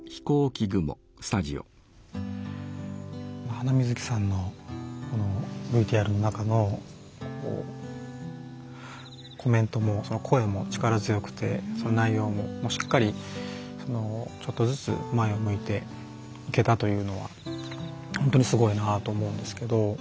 ハナミズキさんのＶＴＲの中のコメントもその声も力強くてその内容もしっかりちょっとずつ前を向いていけたというのは本当にすごいなと思うんですけど。